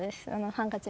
ハンカチ